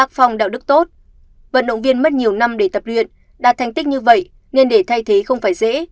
phong đạo đức tốt vận động viên mất nhiều năm để tập luyện đạt thành tích như vậy nên để thay thế không phải dễ